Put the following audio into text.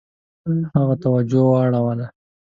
هغه توجه واړوله.